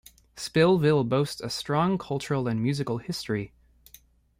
Spillville boasts a strong cultural and musical history.